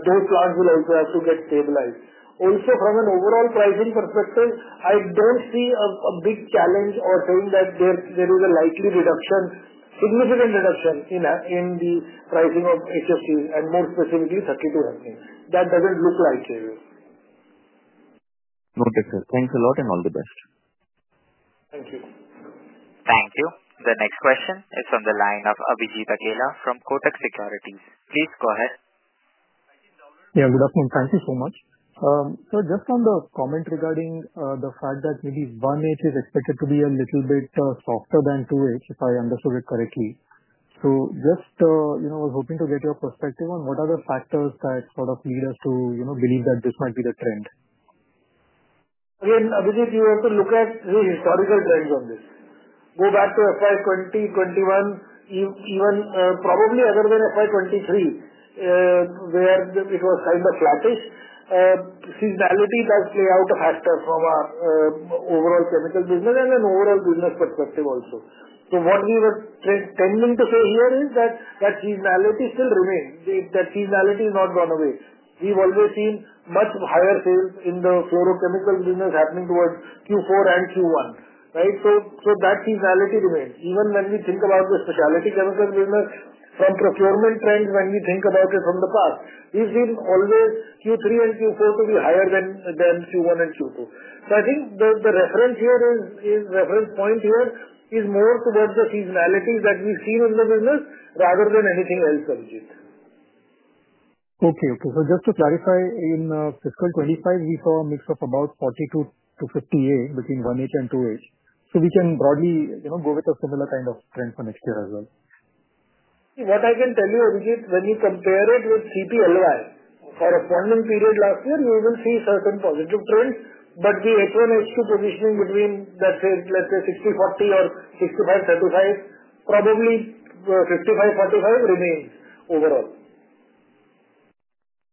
those plants will also have to get stabilized. Also, from an overall pricing perspective, I do not see a big challenge or saying that there is a likely reduction, significant reduction in the pricing of HSCs and more specifically 32Fs. That does not look likely, Vivek. Noted, sir. Thanks a lot and all the best. Thank you. Thank you. The next question is from the line of Abhijit Akella from Kotak Securities. Please go ahead. Yeah. Good afternoon. Thank you so much. So just on the comment regarding the fact that maybe 1H is expected to be a little bit softer than 2H, if I understood it correctly. Just was hoping to get your perspective on what are the factors that sort of lead us to believe that this might be the trend? Again, Abhijit, you have to look at the historical trends on this. Go back to FY 2020, 2021, even probably other than FY 2023, where it was kind of flattish. Seasonality does play out a factor from our overall chemical business and an overall business perspective also. What we were tending to say here is that that seasonality still remains. That seasonality has not gone away. We've always seen much higher sales in the fluorochemicals business happening towards Q4 and Q1, right? That seasonality remains. Even when we think about the specialty chemicals business, from procurement trends, when we think about it from the past, we've seen always Q3 and Q4 to be higher than Q1 and Q2. I think the reference point here is more towards the seasonalities that we've seen in the business rather than anything else, Abhijit. Okay, okay. Just to clarify, in fiscal 2025, we saw a mix of about 42-50A between 1H and 2H. We can broadly go with a similar kind of trend for next year as well. What I can tell you, Abhijit, when you compare it with CPLY for a funding period last year, you will see certain positive trends, but the H1, H2 positioning between, let's say, 60-40, or 65-35, probably 55-45 remains overall.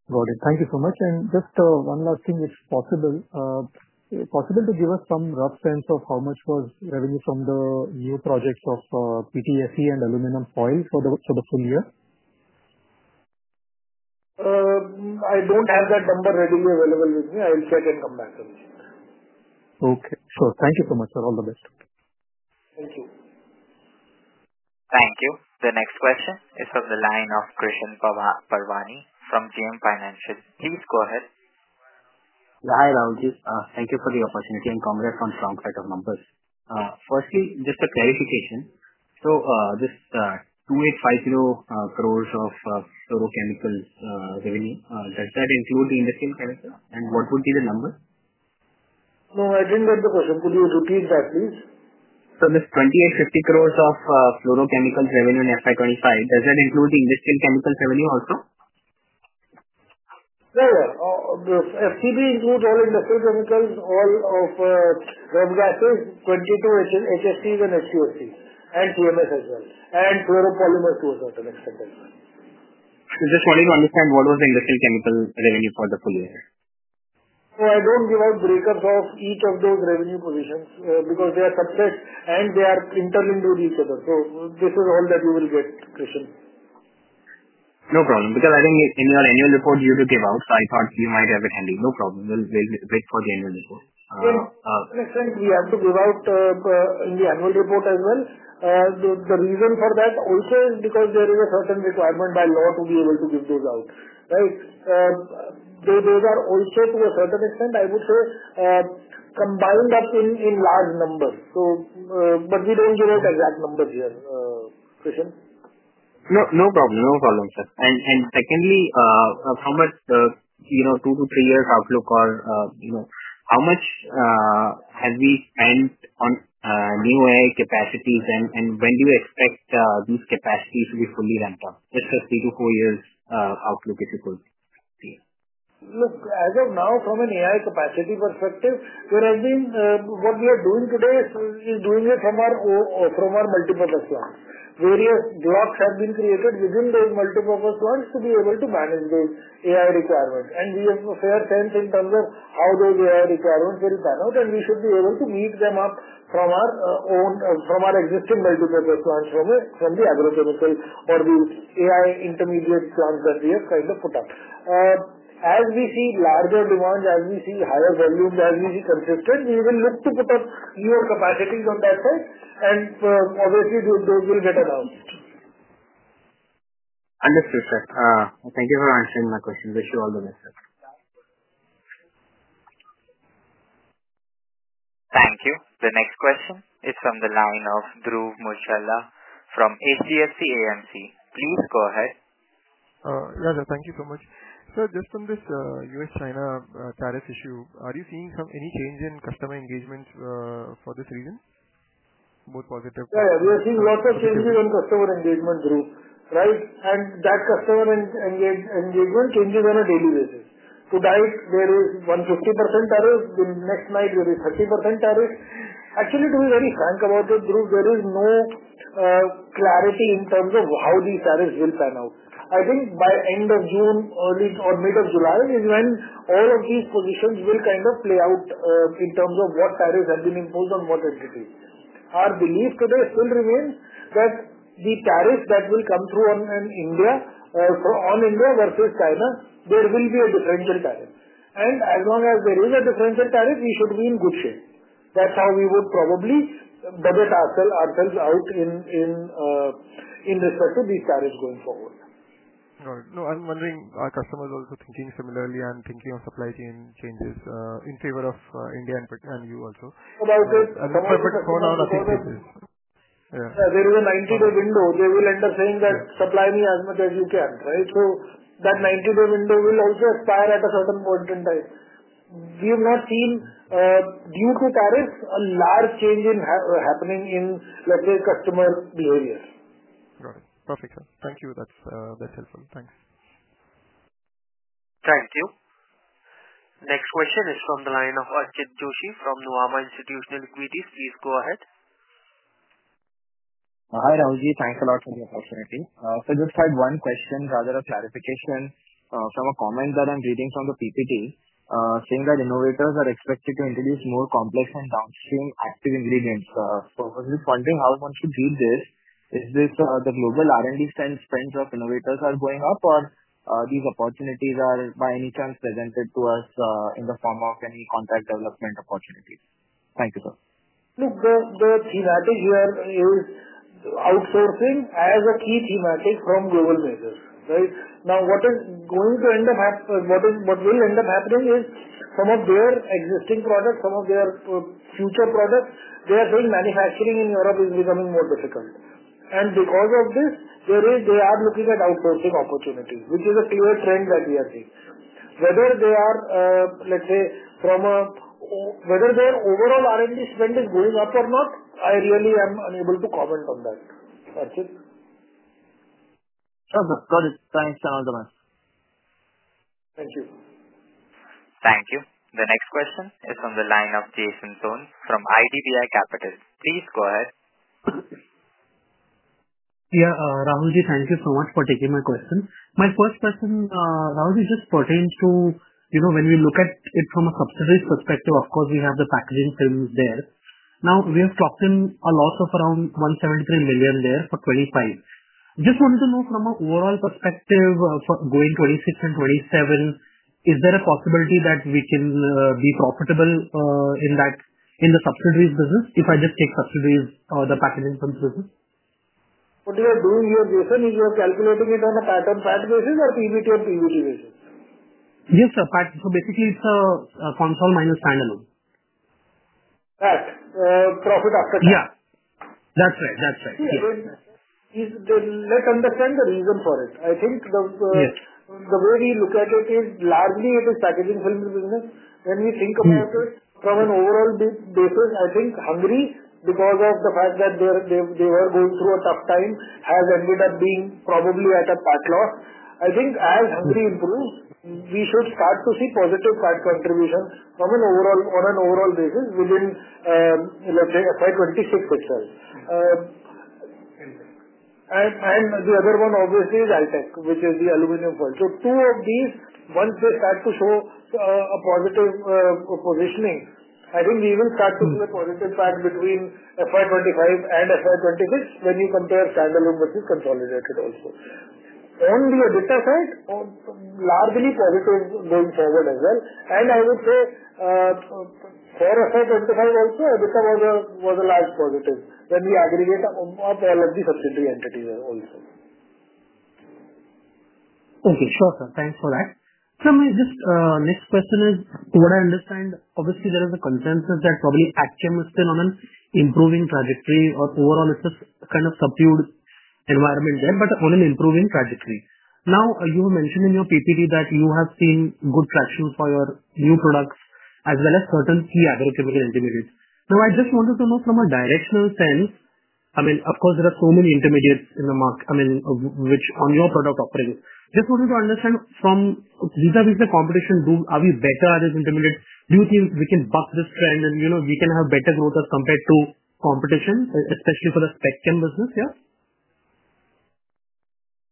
Got it. Thank you so much. Just one last thing, if possible, is it possible to give us some rough sense of how much was revenue from the new projects of PTFE and aluminum foil for the full year? I don't have that number readily available with me. I'll check and come back to you. Okay. Sure. Thank you so much, sir. All the best. Thank you. Thank you. The next question is from the line of Krishan Parwani from JM Financial. Please go ahead. Yeah, hi Raounjit. Thank you for the opportunity and congrats on strong set of numbers. Firstly, just a clarification. So this 2,850 crores of fluorochemicals revenue, does that include the industrial chemicals? And what would be the number? No, I didn't get the question. Could you repeat that, please? So this 2,850 crores of fluorochemicals revenue in FY2025, does that include the industrial chemicals revenue also? Yeah, yeah. FCB includes all industrial chemicals, all of REFGASes, 22 HSCs and H2SCs, and TMS as well, and fluoropolymer to a certain extent as well. Just wanted to understand what was the industrial chemical revenue for the full year. I do not give out breakups of each of those revenue positions because they are subset and they are interlinked with each other. This is all that you will get, Krishan. No problem. I think in your annual report, you do give out, so I thought you might have it handy. No problem. We will wait for the annual report. In a sense, we have to give out in the annual report as well. The reason for that also is because there is a certain requirement by law to be able to give those out, right? Those are also to a certain extent, I would say, combined up in large numbers. We do not give out exact numbers here, Krishan. No problem. No problem, sir. Secondly, from a two to three-year outlook, how much have we spent on new AI capacities, and when do you expect these capacities to be fully ramped up? Just a three to four-year outlook, if you could. Look, as of now, from an AI capacity perspective, what we are doing today is doing it from our multi-purpose plants. Various blocks have been created within those multi-purpose plants to be able to manage those AI requirements. We have a fair sense in terms of how those AI requirements will pan out, and we should be able to meet them from our own existing multi-purpose plants from the agrochemical or the AI intermediate plants that we have kind of put up. As we see larger demands, as we see higher volumes, as we see consistent, we will look to put up newer capacities on that side, and obviously, those will get announced. Understood, sir. Thank you for answering my question. Wish you all the best, sir. Thank you. The next question is from the line of Dhruv Muchhal from HDFC AMC. Please go ahead. Yeah, sir. Thank you so much. Sir, just on this U.S.-China tariff issue, are you seeing any change in customer engagement for this reason? Both positive. Yeah, we are seeing lots of changes in customer engagement, Dhruv, right? And that customer engagement changes on a daily basis. Tonight, there is 150% tariff. Next night, there is 30% tariff. Actually, to be very frank about it, Dhruv, there is no clarity in terms of how these tariffs will pan out. I think by end of June, early or mid of July is when all of these positions will kind of play out in terms of what tariffs have been imposed on what entities. Our belief today still remains that the tariffs that will come through on India versus China, there will be a differential tariff. As long as there is a differential tariff, we should be in good shape. That's how we would probably budget ourselves out in respect to these tariffs going forward. Right. No, I'm wondering, are customers also thinking similarly and thinking of supply chain changes in favor of India and you also? About it. Some of it is going on on a fixed basis. Yeah. There is a 90-day window. They will end up saying that, "Supply me as much as you can," right? So that 90-day window will also expire at a certain point in time. We have not seen, due to tariffs, a large change happening in, let's say, customer behavior. Got it. Perfect, sir. Thank you. That's helpful. Thanks. Thank you. Next question is from the line of Archit Joshi from Nuvama Institutional Equities. Please go ahead. Hi Rahul Jain. Thanks a lot for the opportunity. So just had one question, rather a clarification from a comment that I'm reading from the PPD saying that innovators are expected to introduce more complex and downstream active ingredients. I was just wondering how one should read this. Is this the global R&D spend of innovators going up, or are these opportunities by any chance presented to us in the form of any contract development opportunities? Thank you, sir. Look, the thematic here is outsourcing as a key thematic from global measures, right? Now, what is going to end up, what will end up happening is some of their existing products, some of their future products, they are saying manufacturing in Europe is becoming more difficult. And because of this, they are looking at outsourcing opportunities, which is a clear trend that we are seeing. Whether they are, let's say, from a, whether their overall R&D spend is going up or not, I really am unable to comment on that. That's it. Sure, sir. Got it. Thanks. All the best. Thank you. Thank you. The next question is from the line of Jason Soans from IDBI Capital. Please go ahead. Yeah, Raounjit, thank you so much for taking my question. My first question, Raounjit, just pertains to when we look at it from a subsidies perspective, of course, we have the packaging films there. Now, we have clocked in a loss of around 173 million there for 2025. Just wanted to know from an overall perspective for going 2026 and 2027, is there a possibility that we can be profitable in the subsidiaries business if I just take subsidiaries or the packaging films business? What we are doing here, Jason, is we are calculating it on a PAT-PAT basis or PBT and PBT basis? Yes, sir. So basically, it is a console minus standalone. Right. Profit after. Yeah. That's right. That's right. Let's understand the reason for it. I think the way we look at it is largely it is packaging films business. When we think about it from an overall basis, I think Hungary, because of the fact that they were going through a tough time, has ended up being probably at a PAT loss. I think as Hungary improves, we should start to see positive contribution on an overall basis within, let's say, FY 2026 itself. The other one, obviously, is Altech, which is the aluminum foil. Two of these, once they start to show a positive positioning, I think we will start to see a positive patch between FY 2025 and FY 2026 when you compare standalone versus consolidated also. On the additive side, largely positive going forward as well. I would say for FY 2025 also, additive was a large positive when we aggregate up all of the subsidiary entities also. Okay. Sure, sir. Thanks for that. Sir, just next question is, to what I understand, obviously, there is a consensus that probably ACCEM is still on an improving trajectory or overall, it's a kind of subdued environment there, but on an improving trajectory. Now, you have mentioned in your PPD that you have seen good traction for your new products as well as certain key agrochemical intermediates. Now, I just wanted to know from a directional sense, I mean, of course, there are so many intermediates in the market, I mean, which on your product offering. Just wanted to understand from vis-à-vis the competition, are we better as intermediates? Do you think we can buck this trend and we can have better growth as compared to competition, especially for the spectrum business here?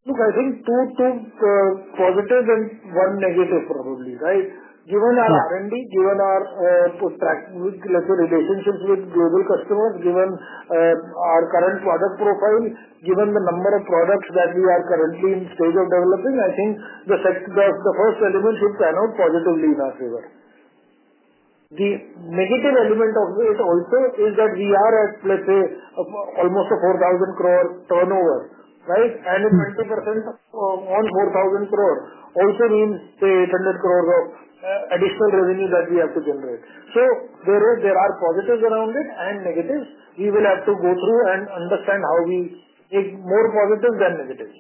Look, I think two positives and one negative probably, right? Given our R&D, given our relationships with global customers, given our current product profile, given the number of products that we are currently in the stage of developing, I think the first element should pan out positively in our favor. The negative element of it also is that we are at, let's say, almost a 4,000 crore turnover, right? And 20% on 4,000 crore also means the 800 crores of additional revenue that we have to generate. There are positives around it and negatives. We will have to go through and understand how we make more positives than negatives.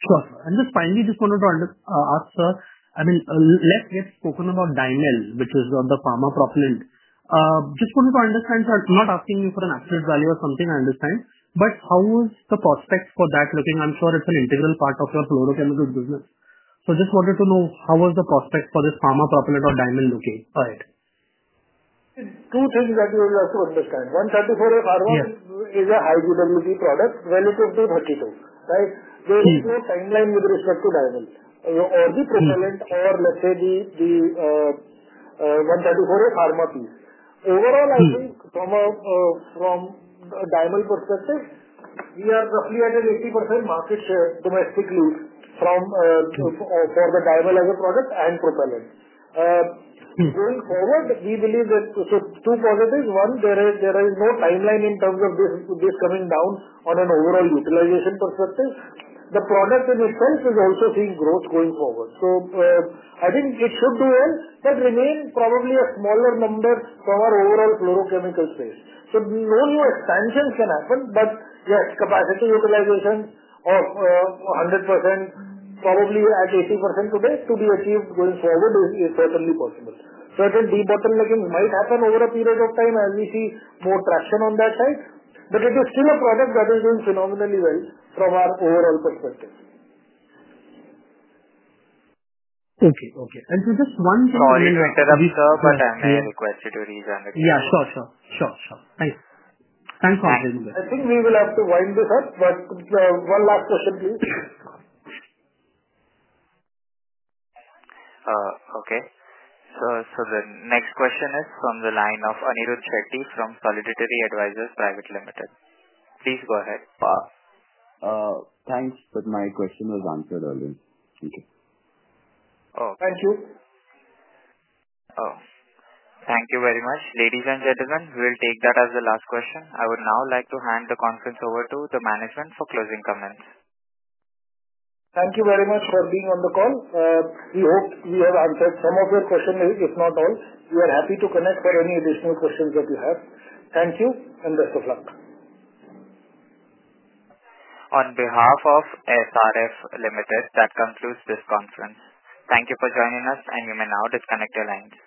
Sure, sir. Just finally, just wanted to ask, sir, I mean, let's get spoken about Dymel, which is the pharma propellant. Just wanted to understand, sir, not asking you for an absolute value or something, I understand, but how was the prospect for that looking? I'm sure it's an integral part of your fluorochemical business. Just wanted to know how was the prospect for this pharma propellant or Dymel looking for it? Two things that you have to understand. 134A pharma is a high-stability product relative to 32, right? There is no timeline with respect to Dymel or the propellant or, let's say, the 134A pharma piece. Overall, I think from a Dymel perspective, we are roughly at an 80% market share domestically for the Dymel as a product and propellant. Going forward, we believe that so two positives. One, there is no timeline in terms of this coming down on an overall utilization perspective. The product in itself is also seeing growth going forward. I think it should do well, but remain probably a smaller number for our overall fluorochemical space. No new expansions can happen, but yes, capacity utilization of 100%, probably at 80% today, to be achieved going forward is certainly possible. Certain de-bottleneckings might happen over a period of time as we see more traction on that side, but it is still a product that is doing phenomenally well from our overall perspective. Okay. And so just one thing. I requested you to re-examine it. Yeah, sure. Thanks. Thanks for asking. I think We will have to wind this up, but one last question, please. The next question is from the line of Anirudh Shetty from Solidarity Advisors Private Limited. Please go ahead. Thanks, but my question was answered earlier. Thank you. Thank you. Thank you very much. Ladies and gentlemen, we'll take that as the last question. I would now like to hand the conference over to the management for closing comments. Thank you very much for being on the call. We hope we have answered some of your questions, if not all. We are happy to connect for any additional questions that you have. Thank you and best of luck. On behalf of SRF Limited, that concludes this conference. Thank you for joining us, and you may now disconnect your lines.